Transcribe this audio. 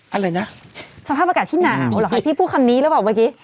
อะไรนะสภาพอากาศที่หนาวเหรอคะพี่พูดคำนี้หรือเปล่าเมื่อกี้